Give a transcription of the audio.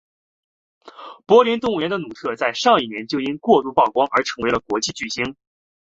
柏林动物园的努特在上一年就因为过度曝光而成为了国际明星。